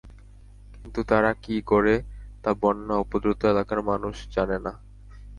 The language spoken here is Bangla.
কিন্তু তারা কী করে, তা বন্যা উপদ্রুত এলাকার মানুষ জানে না।